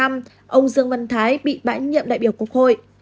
ông dương văn thái bị bãi nhiệm đại biểu quốc hội